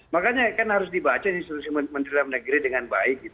makanya kan harus dibaca di institusi menteri dalam negeri dengan baik